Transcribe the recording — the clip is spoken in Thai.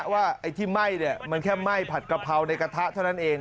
ไอ้ที่ไหม้มันแค่ไหม้ผัดกะเพราในกระทะเท่านั้นเอง